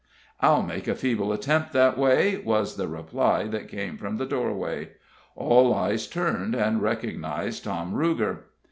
"I'll make a feeble attempt that way," was the reply that came from the doorway. All eyes turned, and recognized Tom Ruger.